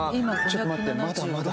ちょっと待ってまだまだ。